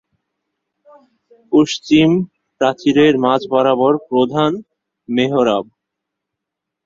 পশ্চিম প্রাচীরের মাঝ বরাবর প্রধান মেহরাব।